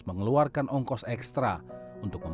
masalah keterbatasan ini